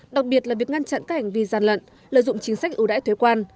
đặc biệt là việc ngăn chặn các hành vi gian lận lợi dụng chính sách ưu đãi thuế quan